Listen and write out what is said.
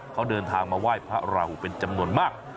เขาเดินทางมาไหว้พระราหูเป็นจำนวนมาก